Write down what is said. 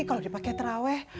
kalo dipake terawih